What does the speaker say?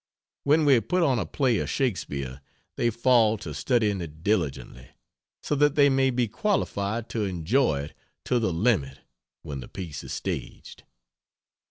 When we put on a play of Shakespeare they fall to studying it diligently; so that they may be qualified to enjoy it to the limit when the piece is staged.